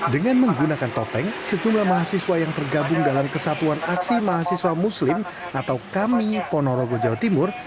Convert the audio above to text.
dengan menggunakan topeng sejumlah mahasiswa yang tergabung dalam kesatuan aksi mahasiswa muslim atau kami ponorogo jawa timur